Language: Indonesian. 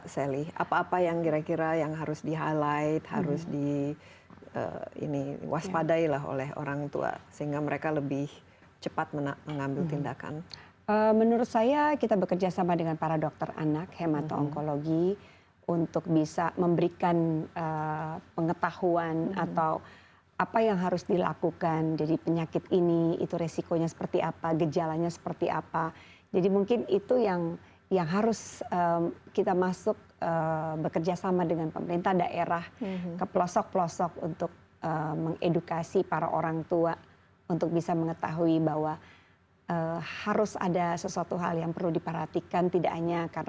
sebagai antara pastikan yang ada akan berapa lama mereka menunggu ya